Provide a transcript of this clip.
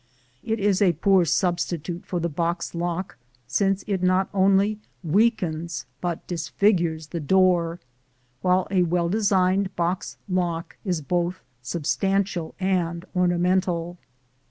It is a poor substitute for the box lock, since it not only weakens but disfigures the door, while a well designed box lock is both substantial and ornamental (see Plate XVII).